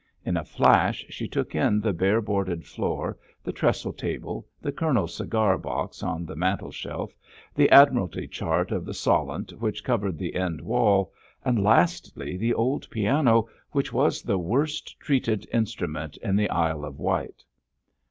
In a flash she took in the bare boarded floor, the trestle table, the colonel's cigar box on the mantelshelf, the Admiralty chart of the Solent which covered the end wall and lastly, the old piano, which was the worst treated instrument in the Isle of Wight.